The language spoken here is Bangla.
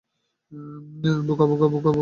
বোকা, বোকা, বোকার হদ্দ।